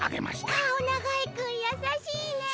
かおながいくんやさしいねえ。